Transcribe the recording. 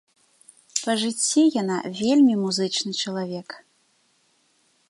Па жыцці яна вельмі музычны чалавек.